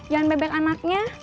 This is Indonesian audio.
jangan bebek anaknya